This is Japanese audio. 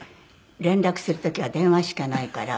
連絡する時は電話しかないから。